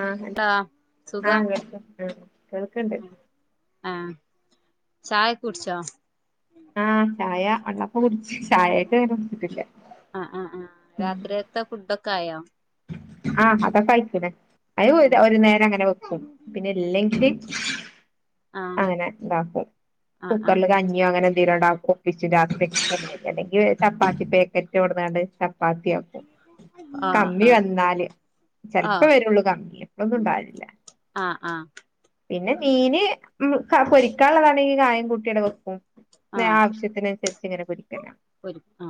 ആഹ് ടാ ആഹ് കേൾകണ്ട് ആഹ് കേൾക്ണ്ട് ആഹ് ചായ കുടിച്ചോ? ആഹ് ചായ വള്ളപ്പ കുടിച്ച് ചായക്കെ ഇടണം ഇട്ടില്ല ആഹ് ആഹ് ആഹ് രാത്രിയത്തെ ഫുഡൊക്കെ ആയോ? ആഹ് അതാ കഴികണെ അയ് ഉം ഒരു നേരം അങ്ങനെ വെക്കും പിന്നെ ഇല്ലെങ്കിൽ ആ അങ്ങനെ ഇണ്ടാക്കും ആ ആ കുക്കറിൽ ആ കഞ്ഞിയോ അങ്ങനെ എന്തെലും ഒണ്ടാക്കും. വിച്ചു രാത്രി അല്ലെങ്കിൽ ചപ്പാത്തി പേക്കറ്റോട് എവിടെന്നാങ്ങാണ്ട് ചപ്പാത്തിയ ആ കമ്മി വന്നാല് ആ ചെലപ്പോ വരു ഉള്ളൂ കമ്മി എപ്പെന്നും ഉണ്ടാവില്ല ആഹ് ആഹ് പിന്നെ മീന് പൊരിക്കാന്നുള്ളതാണെങ്കിൽ കായം കുട്ടിയടെ വെക്കും ആ നെ ആവശ്യത്തിന് അനുസരിച്ച് ഇങ്ങനെ പൊരിക്കല. ഒരു ആ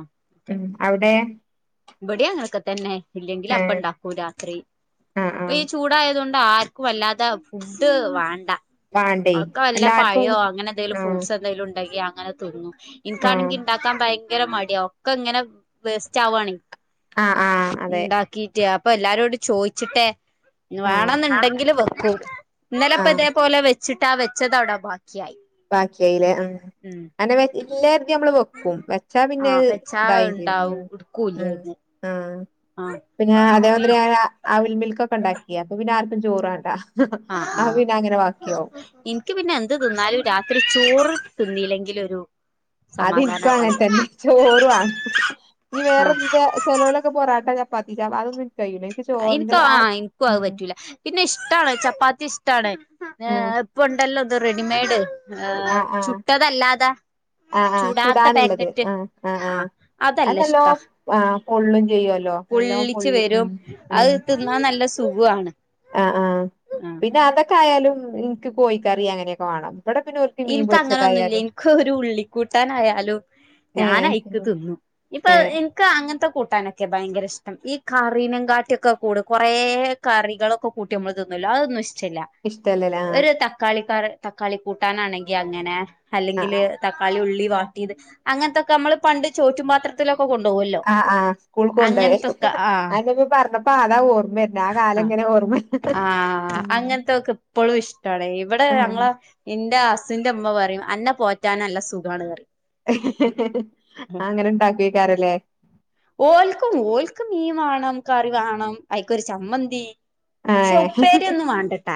ഉം അവിടെ? ഇവിടെ അങ്ങനെക്കെ തന്നെ ഇല്ലെങ്കില് ഏഹ് അപ്പണ്ടാക്കൂ രാത്രി ആഹ് ഈ ആഹ് ചൂ ടാ ആയതുകൊണ്ട് ആർക്കും വല്ലാതെ ഫുഡ് വാണ്ട വാണ്ടേ അക്ക വല്ല എല്ലാർക്കും പയയോ അങ്ങനെ എന്തെങ്കിലും ആഹ് ഫ്രൂട്ട്സ് കൈയിൽ ഉണ്ടെങ്കി അങ്ങനെ തീന്നും ആഹ് ഇനക്കണെങ്കി ഇണ്ടാക്കാൻ ഭയങ്കര മടിയ ഒക്കെ ഇങ്ങനെ വേസ്റ്റ് ആവു ആണ് ആഹ് ആഹ് അതെ ഇണ്ടാക്കിട്ടേ അപ്പൊ എല്ലാരോട് ചോയിച്ചിട്ടേ ആഹ് വേണേയെന്ന് ഉണ്ടെങ്കിലെ വെ ക്കു ആഹ് ഇന്നലെപ്പതേപോലെ വെച്ചിട്ടാ വെച്ചത് അവിടെ ബാക്കിയായി ബാക്കിയയിലെ ആഹ് ഉം അങ്ങെനെ ഇല്ലായിത് നമ്മള് വെക്കും വെച്ചാ പിന്നെ ഇതാ ഇതായും ണ്ടാവു ഇട്കൂലരുന്നു. ആഹ് പിന്നെ അതേമാതിരി ഞാൻ ആവിൽമിൽക്ക് ഒക്കെ ഒണ്ടാക്കി അപ്പൊ പിന്നെ ആർക്കും ചോറ് വേണ്ടാ. അ പിന്നെ അങ്ങനെ വാക്കിയവും. ഇൻക്ക് പിന്നെ എന്ത് തിന്നാലും രാത്രി ചോറ് തിന്നില്ലെങ്കിലെ ഒരു അത് ഇൻക്കും അങ്ങനെതന്നെ ചോറു വാണ് നീ വേറെ ആഹ് എന്താ? ചെലവരെക്കെ പൊറാട്ട, ചപ്പാത്തി ചാ അതൊന്നും കയ്യൂല ഇൻക്ക് ചോറിന്റെ ഇൻകോ ആഹ് ആ ആഹ് ഇൻക്കും അതു ഉം പറ്റൂല പിന്നെ ഇഷ്ടാണ് ചപ്പാത്തി ഇഷ്ടാണ് ആഹ് ഏഹ് ഇപ്പെ ഒണ്ടല്ലോ ഇത് റെഡിമെയ്ഡ് ആഹ് ആഹ് ചുട്ടതല്ലാതെ, ആഹ് ആഹ് ചൂടാത്ത ചുടാനുള്ളത് പാക്കറ്റ് ആഹ് ആഹ് ആ അതല്ല അന്നല്ലോ ഇഷ്ടാ ആ പൊള്ളും ചെയ്യുവല്ലോ. നല്ലോ പൊള്ളിച്ച് പൊള്ളി ഉം വരും ഉം അത് തിന്നാ നല്ല സുഖു ആണ്. ആഹ് ആഹ് പിന്നെ അതൊക്കെ ആയാലും ഇൻക്ക് കോഴിക്കറി അങ്ങനെയൊക്കെ വാണം ഇവിടെ പിന്നെ ഒ ഇൻക്ക് അങ്ങനെ ഒന്നുല്ല ഇൻക്ക് ഒരു ഉള്ളി കൂട്ടാനായാലും, ഞാൻ ഏഹ് അയച്ചു തിന്നു ഇപ്പ അത് ഏഹ് ഇക്ക അങ്ങനത്തെ കൂട്ടാനൊക്കെ ഭയങ്കര ഇഷ്ടം ഈ കറീനെങ്കാട്ടിയൊക്കെ കൂട് കുറെറെ കറികളൊക്കെ കൂട്ടി നമ്മള്തിന്നുവല്ലോ അത് ഒന്നും ഇഷ്ടയല്ല ഇഷ്ടല്ലല്ലേ ആഹ് ഒരു തക്കാളിക്കറി തക്കാളി കൂട്ടാനാണെങ്കി അങ്ങനെ. ആഹ് അല്ലെങ്കില് തക്കാളി ഉള്ളി വാട്ടീത് അങ്ങൻത്തൊക്കെ നമ്മള് പണ്ട് ചോറ്റുംമ്പാത്ര ത്തിലൊക്കെ കൊണ്ടോവെല്ലൊ ആഹ് ആഹ് സ്കൂൾ കൊണ്ടോയേ. ആഹ് അതന്നെ പ്പം പർഞ്ഞപ്പോ അതാ ഓർമ്മര് ന് ആ ആഹ് കാലങ്ങനെ ഓർമ്മ ആഹ് ഉം അങ്ങനത്തൊക്കെ ഇപ്പളും ഇഷ്ടാണ്. ഇവടെ ആഹ് ഞങ്ങളെ ഇന്റെ ഹസ്സ്ന്റെ ഇമ്മ പറിം അന്നെ പോറ്റാന് ല്ല സുഖാണ്‌ റിം. അതങ്ങനെ ഇണ്ടാക്ക്‌വേക്കാരല്ലേ? ഓൽക്കും ഓൽക്ക് മീൻ വാണം കറി വാണം ഐക്കൊരു ചമ്മന്തി ക്ഷെ ഏഹ് ഉപ്പേരി ഒന്നും വാണ്ടട്ടാ.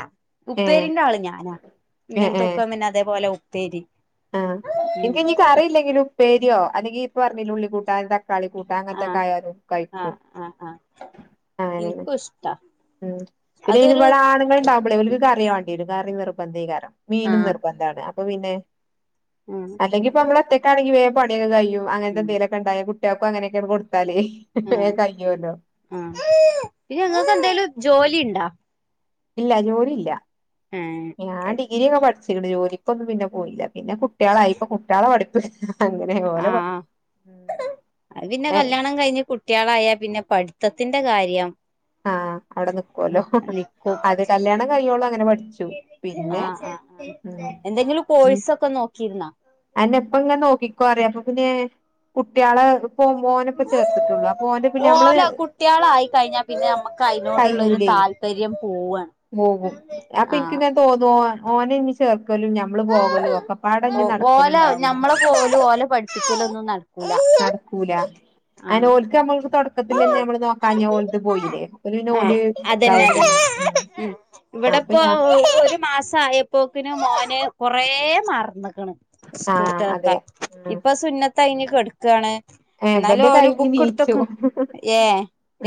ഏഹ് ഉപ്പേരിന്റെ ആള് ഞാനാ. ഏഹ് ഏഹ് ഇങ്ങൻത്തൊക്കെ പിന്നെ അതേപോലെ ഉപ്പേരി. ആഹ് ഉം ഇൻക്ക് ഇഞ് കറില്ലെങ്കിലും ഉപ്പേര്യോ അല്ലെങ്കി ഇപ്പ പർഞ്ഞിലേ ഉള്ളിക്കൂട്ടാന് ത ക്കാളി കൂട്ടാൻ ആഹ് അങ്ങൻത്തൊക്കായാലും കഴിക്കും. ആഹ് അങ്ങനെണ്‌. ട്ട ഉം. പിന്നയ്ന് ഇവടെ ആണ്ങ്ങൾണ്ടാവുമ്പളെ ഓൽക്ക് കറി വാണ്ടിയേരും. കറി നിർബന്ധേകാരം. മീനും നിർബന്ധാണ് അപ്പം പിന്നെ, ആഹ് അല്ലെങ്കി ഇപ്പമ്മളൊറ്റക്കാണെങ്കി വേം പണിയൊക്കെ കയും. ഉം അങ്ങനത്തെന്തേലൊക്കെ ഇണ്ടായാ കുട്ട്യാൾക്കും അങ്ങനൊക്കേണ്ട് കൊടുത്താലേ ആഹ് വേം കയ്യോല്ലോ. ആഹ് പിന്നെ ഇങ്ങക്ക് എന്തേലും ജോലിണ്ടാ? ഇല്ല ജോലി ഇല്ല. ഏഹ് ഞാൻ ഡിഗ്രി ഒക്കെ പഠിച്ചിക്ക്ണ്‌, ജോലിക്കൊന്നും പിന്നെ പോയില്ല. പിന്നെ കു ട്ട്യാളായി ഇപ്പൊ കുട്ട്യാളെ പഠിപ്പ് അങ്ങനെ ഓലെ ആഹ്. അത് പിന്നെ ഉം കല്യാണം കഴിഞ്ഞ് കു ട്ട്യേളായാ പിന്നെ പഠിത്തത്തിന്റെ കാര്യം ആഹ് അവിടെ നിക്കോല്ലോ. നിക്കും അതെ കല്യാണം കഴിയോള്ളും അങ്ങനെ പഠിച്ചു. ആഹ് പിന്നെ ആഹ് ആഹ്. ഉം എന്തെങ്കിലും കോഴ്സൊക്കെ നോക്കിയിരുന്നൊ? അതന്നെ ഇപ്പ ങ്ങനെ നോക്കിക്കോറിയ. അപ്പൊ പിന്നെ കുട്ട്യാള് നമ്മള് ഓലെ കുട്ട്യാളായിക്കഴിഞ്ഞാ പിന്നെ നമ്മക്ക് അയിനോടുള്ളരു കയ്യൂലേ താല് പര്യം പോവാണ്. പോകും അപ്പിൻക് ആഹ് ങ്നെ തോന്നും ഓനെ ഇഞ് ചേർക്കലും ഞമ്മള് പോകലും ഓ ഒക്കപ്പാടഞ്ഞ് നട ഓലെ ഞമ്മളെ പോവലും ഓലെ പഠിപ്പിച്ചലൊന്നും നടക്കൂല. ക്കൂല. അതന്നെ ആഹ് ഓൽക്ക് നമ്മൾക്ക് തൊട ക്കത്തിലെന്നെ ആഹ് നമ്മള് നോക്കാഞ്ഞാ ഓൽത് പോയിലെ ഓൽ പിന്നെ ഓല് അതന്നെ ഇതാവൂല്ലല്ലോ ഉം അപ്പൊ ഇവടെപ്പോ ഞാൻ മാസായപ്പോക്കിന് മോന് കൊറേ മറന്ന്ക്ണ് ആഹ് അതെ സ്കൂൾത്തതൊക്കെ ഉം ഇപ്പൊ സുന്നത്തയിഞ് കെട്ക്കാണ്. ഏഹ് ഇന്നാലു ഇവന്റെ ഓന് കഴിഞ്ഞ് ബുക്ക് നീച്ചു ഇട്ത്തൊക്കെ ഏഹ്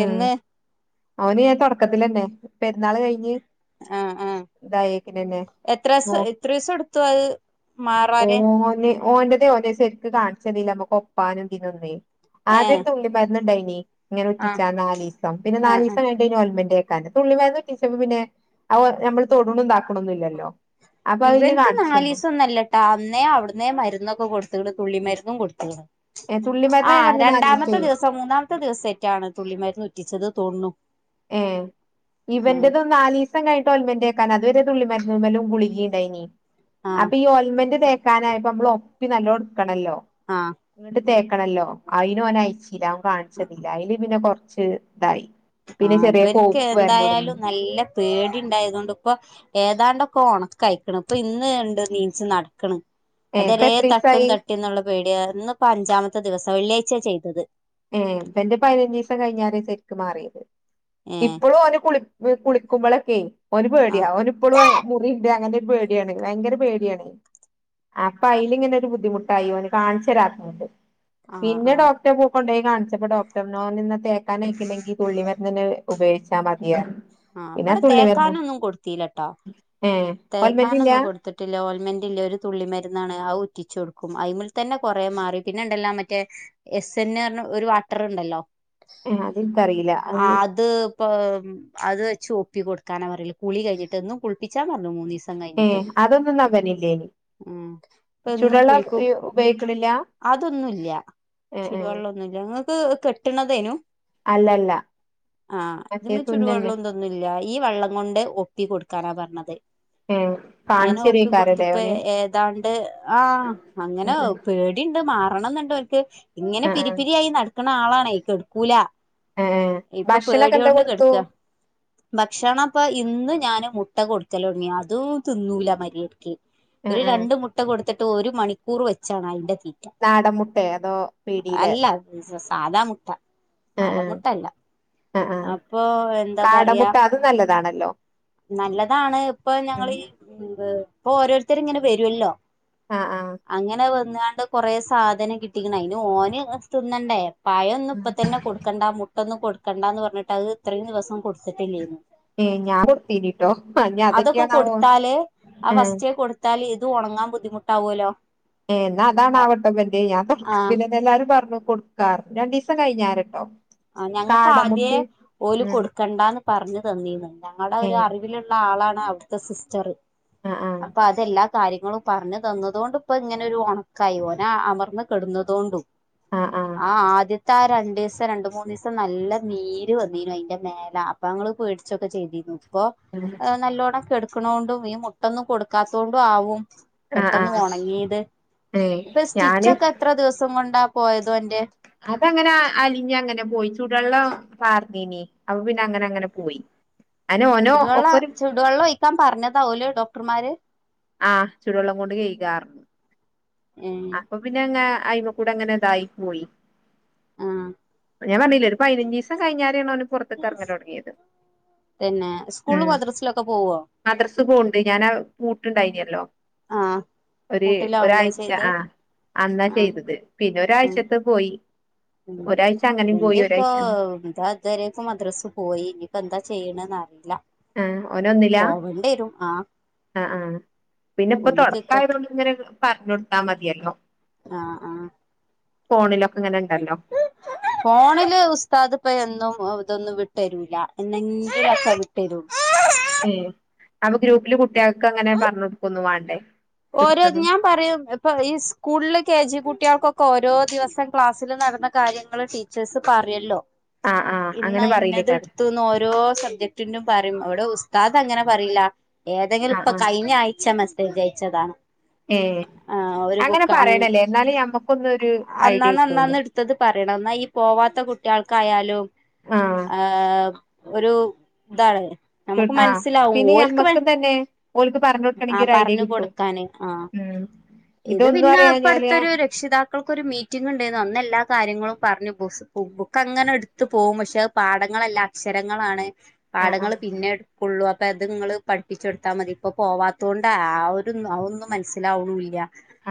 എന്ന് ഓന് ഞാൻ തൊടക്കത്തിലന്നെ പെരുന്നാൾ കഴിഞ്ഞ് ആഹ് ആഹ് ഇതായേക്കിനെന്നെ എത്രാസ നോ എത്രീസ ഇട്ത്തു അത് മാറാന് ഓന് ഓന്റെതേ ഓന് ശെര്ക്ക് കാൺച്ചന്നീല്ല നമ്മക്ക് ഒപ്പാനും ഇതിനൊന്നെ. ഏഹ് ആദ്യരു തുള്ളി മരുന്ന്ണ്ടായിനി ഇങ്ങനെ ആഹ് ഉറ്റിച്ചാൻ നാലീസം. പിന്നെ ആഹ് ആഹ് നാലിസം ക കയ്ഞ്ഞ് ഓൽമെന്റെക്കാനും തുള്ളി മര്ന്ന് ഉറ്റിച്ചുമ്പം പിന്നെ അവ് ഞമ്മള് തൊട്ണും ഇതാക്ണൊന്നുല്ലല്ലോ ഇവൻക്ക് നാലീസം ഒന്നല്ലട്ടോ അന്നേ അവിടുന്നേ മരുന്നൊക്കെ കൊടുത്ക്ക്ണ് തുള്ളി മരുന്നും കൊടുത്ക്ക് ണ് ഏ തുള്ളിമരുന്നാ ഞാൻ ആഹ് പറഞ്ഞത് നാലീസേ രണ്ടാമത്തെ ദിവസം മൂന്നാമത്തെ ദിവസേറ്റാണ് തുള്ളി മരുന്ന് ഉറ്റിച്ചത് തോൺണു. ഏഹ് ഇവന്റെത് നാലിസം കഴിഞ്ട്ട് ഓൽമെൻ്റേക്കാനാ അത്‌ വരെ തുള്ളി മര്ന്ന്മലും ഗുളികി ണ്ടായിനി. ആഹ് അപ്പീ ഓൽമന്റ് തേക്കാനായപ്പോ നമ്മള് ഒപ്പി നല്ലോ ഇട്ക്കണല്ലോ ആഹ് ഇങ്ങട്ട് തേക്കണല്ലോ. അയിന് ഓനയ്ച്ചില്ല. ഓന് കാൺച്ചെന്നില അയ്ല് പിന്നെ കൊർച്ച് ഇതായി. പിന്നെ ആഹ്. ചെറിയ ബെൻക്ക് കോപ്പ് വരല് തൊടങ്ങി എന്തായാലും നല്ല പേടിണ്ടായതോണ്ട് പ്പൊ ഏതാണ്ടൊക്കൊ ഒണക്കയിക്ക്ണ്. പ്പൊ ഇന്ന് ണ്ട് നീച്ച് നടക്ക്ണ്. ഏ ഇപ്പ അതരേ തട്ടും എത്രീസായി തട്ടിന്നൊള്ള പേടിയാ. ഇന്ന് പ്പ അഞ്ചാമത്തെ ദിവസം. വെള്ളിയാഴ്ച്ചെ ചെയ്തത്. ഏഹ്. ബെന്റെ പയിനഞ്ചീസം കഴിഞ്ഞാരെ സെര്ക്കും മാർയേത്. ഏഹ് ഇപ്പൊളും ഓന് കുളി വ്. കുളിക്കുമ്പളെക്കേ ഓന് പേടിയാ. ആഹ് ഓന് പ്പളും അയ മുറിണ്ട് അങ്ങൻത്തെ ര് പേടിയാണ്. വയങ്കര പേടിയാണേ അപ്പ അയില് ങ്ങനെര് ബുദ്ധിമുട്ടായി. ഓന് കാൺച്ചരാ ത്തോണ്ട്. ആഹ് പിന്നെ ആഹ് ഡോക്ടറെന്നു ക്കൊണ്ടോയ് കാണ്ച്ചപ്പൊ ഡോക്ടർഞ്ഞു ന്നന്നാ തേക്കാനയിക്ക് ല്ലെങ്കി തുള്ളി മര്ന്നെന്നെ ഉപയോയിച്ചാ മതീ [unintelligible] ആഹ്. വടെ തേക്കാനൊന്നും കൊട്ത്തിലട്ടോ. ഏ തേക്കാനൊന്നും ഓൽമെന്റില്ല കൊട് ട്ത്ട്ടില്ല. ഓൽമെൻ്റ ല്ല്യ. ഒര് തുള്ളി മര്ന്നാണ്. അഹ് ഉറ്റിച്ചൊട്ക്കും. അയിമ്മെൽ തന്നെ കൊറേ മാറി. പിന്നെണ്ടല്ലോ മറ്റേ എസ് എൻ എ അർണ ഒരു വാട്ടർണ്ടല്ലോ ഏഹ് അതെനിക്കറിയില്ല ആ അത് പ്പൊ അത് വെച്ച് ഒപ്പി കൊടുക്കാനാ പറല്. കുളി കഴിഞ്ഞിട്ട്. എന്നും കുൾപ്പിച്ചാ പറഞ്ഞു മൂന്നീസം. ഏഹ്. കഴിഞ്ഞിട്ട് അതൊന്നും ന്നാഇവനില്ലേ നി ഉം. പ്പെന്നും കുളിക്കും. ഉപയോഗിക്കണില്ല അതൊന്നുല്ല്യാ ഏഹ് ഏഹ് ചുടുവള്ളന്നുല്ല. ങ്ങക്ക് കെട്ട്ണതേനു അല്ലല്ല ആഹ്. തി മറ്റേ മ്മെ തുന്നന്നെ ചുടുവെള്ളൊ തൊന്നും ല്യാ. ഈ വള്ളം കൊണ്ട് ഒപ്പി കൊട്ക്കാനാ പർണത്. ഏഹ് അങ്ങനെ ഒപ്പി കൊട്ത്ത് കാണിച്ചെരേക്കാരല്ലേ പ്പെ ഓന് ഏതാണ്ട് ആഹ് അങ്ങനെ ഉം ഉം പേ ടിണ്ട്. മാറണംന്ന്ണ്ടോൻക്. ഇങ്ങനെ ആഹ് പിരി ആഹ് പിരിയായി നടക്ണ ആളാണേയ്. കെട്ക്കൂലാ. ഏഹ് ഏഹ് ഇപ്പം ഭക്ഷണൊക്കെ എന്താ പേടിയോണ്ട് കൊടുത്തു കെട്ക്കാ ഭക്ഷണം പ്പൊ ഇന്ന് ഞാന് മുട്ട കൊടുക്കലൊട്ങ്ങി. അതും ത് ന്നൂല മര്യാ തി. ആഹ് ഒര് ആഹ് രണ്ട് മുട്ട കൊട്ത്തിട്ട് ഒരു മണിക്കൂറ് വെച്ചാണ് അയിന്റെ തീ നാടംമുട്ടേ അതോ പീടിയ്ലെ സ സാധാ മുട്ട. ആഹ് ആഹ് നാടംമുട്ടല്ല ആഹ് ആഹ് അപ്പൊ എന്താ പറയാ. കാടമുട്ട അത് നല്ലതാണല്ലോ നല്ലതാ ആണ്. പ്പൊ ഉം ഞങ്ങള് ഈ മ്പ് പ്പൊ ഓരോര്ത്തര് ങ്ങനെ വെരൊല്ലോ ആഹ് ആഹ് അങ്ങനെ വന്നാണ്ട് കൊറേ സാധനം കിട്ടിക് ണെ. അയ്ന് ഓന് തിന്നണ്ടേ പഴൊന്നും ആഹ് പ്പ തന്നെ കൊട്ക്കണ്ടാ മുട്ടൊന്നും കൊട്ക്കണ്ടാന്ന് പർഞ്ഞിട്ട് അഹ് ഇത്രീം ദിവസം കൊട്ത്തിട്ടില്ലേനു. ഏ ഞാൻ കൊടുത്തീനിട്ടോ നി അതൊക്കെ അതൊക്കെയാണാവോ ഏ ത്താളി. ഇത് ഒണങ്ങാൻ ബുദ്ധിമുട്ടാവോലൊ ഏഹ്. ന്നാ അതാണവട്ടൊ വ ൻ്റെ. ഞാൻ തൊട് [unintelligible] ആഹ് പിന്നെല്ലാരും പർണു കൊട് ക്കാ. രണ്ടീസം കയ്ഞ്ഞാരട്ടോ ആഹ് ഞങ്ങക്കാദ്യേ ഓല് കൊട് കണ്ടാന്ന് പർഞ്ഞ് തന്നീന്നു. ഞങ്ങൾടെ ഏ ഒരു അറിവ് ല്ള്ള ആളാണ് അവ്‌ട്ത്തെ സിസ്റ്ററ്. ആ ആ അപ്പ അത് ത് എല്ലാ കാര്യങ്ങളും പർഞ്ഞ് തന്നതോണ്ട് പ്പങ്ങനെ ഒരു ഒണക്കായി. ഓന അമർന്ന് കെട്ന്നതോണ്ടും. ആ ആ ആഹ് ആദ്യത്തെ ആ രണ്ടീസം രണ്ട് മൂന്ന് രീസം നല്ല നീര് വന്നിനു അയ്ന്റെ മേല. അപ്പങ്ങള് പേടിച്ചൊക്കെ ചെയ് തീര്ന്നു. പ്പൊ [unintelligible] എഹ് നല്ലോണം കെട്ക്ക്ണോണ്ടും. ഈ മുട്ടൊന്നും കൊട്ക്കാത്തോണ്ടും ആവും. ആ ആ പെട്ടെന്ന് ഒൺങീത്. ഏ ത് ഞാന് സ്റ്റിച്ചൊക്കെ എത്ര ദിവസം കൊണ്ടാ പോയത് ഓന്റെ? അതങ്ങനാ അലിഞ്ഞങ്ങനെ പോയി. ചൂടെള്ളം പാർന്നീനി. അപ്പ പിന്നെ അങ്ങനെ അങ്ങനെ പോയി. അനെ ഓനോ ചുടുവെള്ളാ ഒക്കൊരു ചുടുവെള്ളം ഒഴിക്കാം പർഞ്ഞതാ ഓല് ഡോക്ടർമാര്? ആഹ്. ചുടുവെള്ളം കൊണ്ട് കെയ്കാർഞ്ഞു. ഏഹ്, പ്പൊപിന്നെ അങ്ങനെ അയ്മക്കൂടെ അങ്ങനെതായി പോയി. ആഹ് ഞാ പർഞ്ഞീലെ ഒരു പയിനഞ്ചീസം കയ്ഞ്ഞാരേണ് ഓന് പൊർത്ത് ക്കെർങ്ങലൊട്ങ്ങിയത്. തെന്നേ. സ്കൂള്ളും മദ്രസ് ലൊക്കെ പോവോ? മദ്രസ് പോണ്ട് ഞാനാ പൂട്ട്ണ്ടായിനല്ലോ ആഹ് ഒരു കൂട്ടിലാവൂലേ ഒരാഴ് ച ചെയ്ത് ആഹ് അന്നാ ആഹ് ചെയ്തത് പിന്നെ ആഹ് ഒരാഴ്ചത്തെ പോയി ഉം ഒരാഴ്ച അങ്ങനെയും പോയി വെന്റെപ്പൊ ഒരാഴ്ച ഇതാ ഇതുവരേക്കും മദ്രസ്പോയി ഇനിപ്പോന്താ ചെയ്യണെന്നറീല. ആഹ് ഓനൊന്നിലാ? ആഹ് ആഹ് പിന്നെ ഇപ്പൊ ഒന്ന്ക്ക് തുടക്കായതുകൊണ്ട് ഇങ്ങനെ പറഞ്ഞൊടുത്താ മതിയല്ലോ. ആഹ് ആഹ്. ഫോണിലൊക്കെ ഇങ്ങനെണ്ടല്ലോ. ഫോണില് ഉസ്താദ് ഇപ്പ എന്നും ഇതൊന്നും വിട്ടരൂല്ല എന്നെങ്കിലൊക്കെ വിട്ടരു. ഏഹ് അപ്പൊ ഗ്രൂപ്പില് കുട്ട്യാൾക്ക് അങ്ങനെ പറഞ്ഞ് കൊടുക്കൊന്നു വാണ്ടേ? ഓരോ ഇട്ത്തതും ഞാൻ പറയും ഇപ്പൊ ഈ സ്കൂളിൽ കെ ജി കുട്ട്യാൾക്കൊക്കെ ഓരോ ദിവസം ക്ലാസ്സില് നടന്ന കാര്യങ്ങൾ ടീ ച്ചേസ് പറയല്ലോ ആഹ് ആഹ് ഇന്നാ അങ്ങനെ പറീലേക്കാരം ഇന്നത്ട്തൂന്ന് ഓരോ സബ്ജ റ്റ്നും പറയും അവിടെ ഉസ്താദ് അങ്ങനെ പറയില്ല ഏതെങ്കിലു ആഹ് ഇപ്പൊ ആഹ് കഴിഞ്ഞ ആയ്ച മെസ്സേജ ച്ചതാണ് ഏഹ് അങ്ങനെ അങ്ങ് പറയണല്ലേ ന്നാലേ ഞമ്മക്കൊന്നൊരു ഐഡിയ കിട്ടുള്ളൂ. ത്തത് പറയണം ന്നാഈ പോവാത്ത കുട്ട്യാൾക്കായാലും ആഹ് ഏഹ് ഒരു താണ്. നമുക്ക് കിട്- ആഹ് മൻസ്സിലാവും പിന്നെ ഓൽക്ക് മാ ഞമ്മക്കും തന്നെ ഓൽക്ക് പറഞ്ഞൊടുക്കണെങ്കി ആഹ് ഒരു ഐഡിയ പറഞ്ഞു കൊടു കിട്ടും ക്കാന് ആഹ് ഉം ഇത് ഇതൊന്നും പിന്നെ അറിയാഞ്ഞാല് ഇപ്പടുത്തൊരു രക്ഷിത ക്കൾക്കൊരു മീറ്റിംഗ് ഉണ്ടായിന് അന്ന്‌ എല്ലാ കാര്യങ്ങളും പറഞ്ഞു ബുസ് ബുക്ക് അങ്ങനെടുത്ത് പോകും പക്ഷെ അത് പാടങ്ങളല്ലാ. ക്ഷരങ്ങളാണ്. ആഹ് പാടങ്ങള് ആഹ് പിന്നെ ഇട്ക്കുള്ളു അപ്പെ അത്ങ്ങള് പഠ്പ്പിച്ചൊട്ത്താ മതി ഇപ്പൊ പോവാത്തോണ്ട് ആ ഒരു ത് ന്നു അവൊന്നു മൻസ്സിലാവുണുല്ല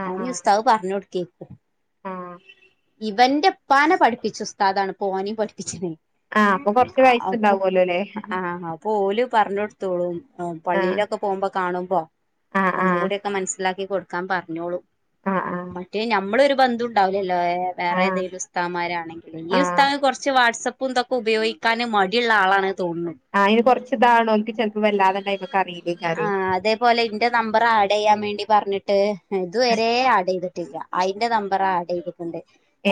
ആഹ് അഹ്ഞ്ഞ് ആഹ് ഉസ്താവ് പർഞൊട്ക്കി ആഹ് ഇവന്റപ്പാന പഠിപ്പിച്ച ഉസ്താദാണ് പ്പൊ ഓനേം പഠ്പ്പിച്ചണ്. ആഹ് അപ്പൊ കൊർച്ചു വയസ്ണ്ടാവോലൊ ലേ. പ്പോല് പർഞ്ഞൊട്ത്തോളും അ ആഹ് പള്ളിയിലൊക്ക പോവുമ്പ കാണുമ്പൊ. ആഹ് ആഹ് ഒന്നുങ്കൂട്യൊക്ക മൻസ്സിലാക്കി കൊടുക്കാ പർഞ്ഞോളും ആഹ് ആഹ് മറ്റേ ഞ്ഞമ്മളൊരു ബന്ധു ണ്ടാവുലല്ലോ ഏ ആഹ് വേറേതെലു ഉസ്താമാരാണെങ്കിലും ആഹ് ഈ ആഹ് ഉസ്താഹ് കൊർച്ച് വാട്സപ്. പ്പും തൊക്ക ഉപയോഗിക്കാന് മടിള്ള ആളാണ് തോന്ന്ണു. ആഹ് അയ്ന് കൊർച്ച് താകണോ ഓൽക്ക് ചെൽപ്പ വല്ലാതെണ്ടയ്മക്കറീ ആഹ് അതേപോലെ ഇന്റെ നമ്പറാഡെയ്യാ വേണ്ടി പർഞ്ട്ട് ഇതുവരെ ആഡെയ്ത് ട്ടില്ല അയ്ന്റെ നമ്പറാ ആഡെയ്തിട്ടുണ്ട്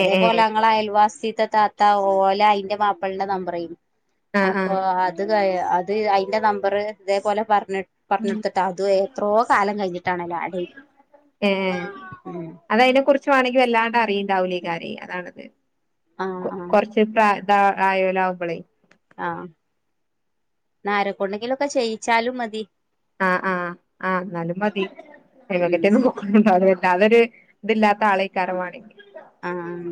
ഏഹ് ഏഹ് അങ്ങള അയൽവാസിത്തെ താ ത്ത ഓല അയ്ന്റെ മാപ്പൾന്റെ നമ്പറേനി ആഹ് അപ്പൊ ആഹ് അ ത് കൈ അത് അയ്ന്റെ നമ്പറ് തേപോലെ പർഞ് പർഞ്ഞൊട്ത്ത്ട്ട് അതു എത്രോ കാലം കയ്ഞ്ട്ടാണല്ലോ ആടെയ്ത് ഉം. അതയ്നെ കുർച്ച് വാണങ്കി വല്ലാണ്ടറിണ്ടാവുലയ്കാരെ അതാണത് ആഹ് കൊ ആഹ് കൊർച്ച് പ്രാ താ ആയോലാവുംബളെ. ആഹ് ന്നാരക്കൊണ്ടെങ്കിലൊക്കെ ചെയ്യിച്ചാലും മതി. ആഹ് ആഹ് ആ ന്നാലും മതി ഉം ഐമക്കെറ്റെ ന്നോ ത [unintelligible] ല്ല അതൊരു ഇതില്ലാ [unintelligible] ത്ത ആളെക്കാരമാണ് ആഹ്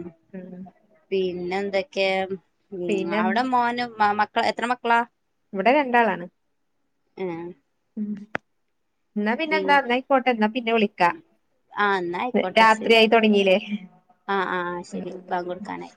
പിന്നെ എന്തൊക്കെയ ഉം പിന്നെ അവിടെ മോന് മക്കള് എത്ര മക്കളാ ഇവിടെ രണ്ടാളാണ് ഏഹ് എന്നാ പിന്നെ പി എന്താ എന്നായിക്കോട്ടെന്നാ പിന്നെ വിളിക്കാം ആഹ് എന്നാ ആയിക്കോട്ടെ രാത്രി ശരി ആയി തൊടങ്ങീല്ലേ ആഹ് ആഹ് ശരി ഭാഗം കൊടുക്കാനായി